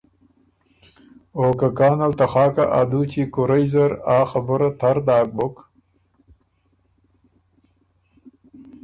او که کانل ته خاکه ا دُوچی کُورئ زر ا خبُره تر داک بُک